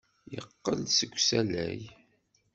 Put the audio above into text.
Yeqqel-d seg usalay.